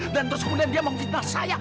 dan terus kemudian dia mengfitnah saya